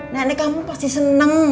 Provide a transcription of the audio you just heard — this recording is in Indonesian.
nenek kamu pasti seneng